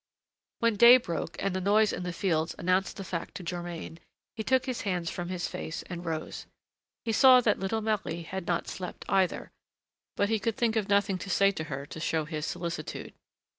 When day broke and the noise in the fields announced the fact to Germain, he took his hands from his face and rose. He saw that little Marie had not slept, either, but he could think of nothing to say to her to show his solicitude.